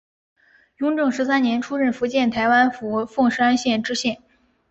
雍正十三年出任福建台湾府凤山县知县。